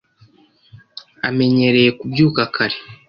amenyereye kubyuka kare